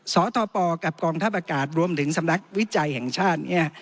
สตปกับกองทัพอากาศรวมถึงสำนักวิจัยแห่งชาติเนี่ย